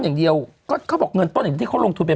อย่างเดียวก็เขาบอกเงินต้นอย่างที่เขาลงทุนไป